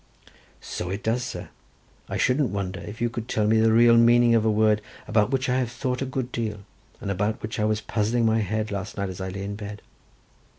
"So it does, sir; I shouldn't wonder if you could tell me the real meaning of a word, about which I have thought a good deal, and about which I was puzzling my head last night as I lay in bed."